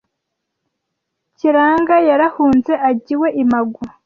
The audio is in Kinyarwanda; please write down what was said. Kiranga yarahunze ajya iwe i Magu